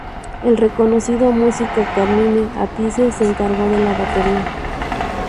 El reconocido músico Carmine Appice se encargó de la batería.